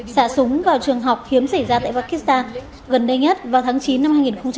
sả súng vào trường học khiếm xảy ra tại pakistan gần đây nhất vào tháng chín năm hai nghìn một mươi sáu